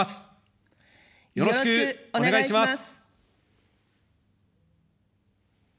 よろしくお願いします。